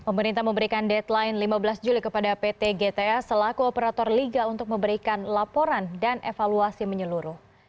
pemerintah memberikan deadline lima belas juli kepada pt gta selaku operator liga untuk memberikan laporan dan evaluasi menyeluruh